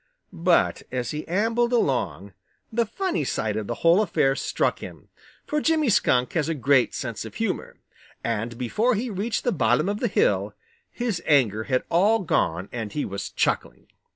But as he ambled along, the funny side of the whole affair struck him, for Jimmy Skunk has a great sense of humor, and before he reached the bottom of the hill his anger had all gone and he was chuckling.